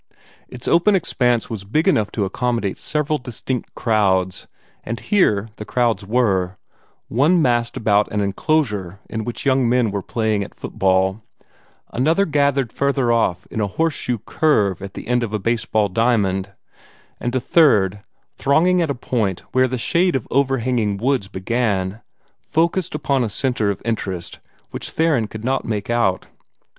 Its open expanse was big enough to accommodate several distinct crowds, and here the crowds were one massed about an enclosure in which young men were playing at football, another gathered further off in a horse shoe curve at the end of a baseball diamond, and a third thronging at a point where the shade of overhanging woods began, focussed upon a centre of interest which Theron could not make out.